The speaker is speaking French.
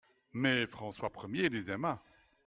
Mais François Ier les aima.